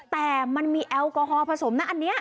แต่มันมีแอลกอฮอลผสมนะอันนี้